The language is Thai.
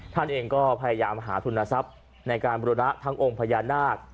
ท่านเองก็พยายามหาทุนทรัพย์ในการบุรณะทั้งองค์พญานาค